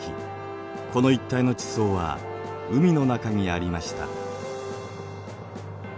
この一帯の地層は海の中にありました。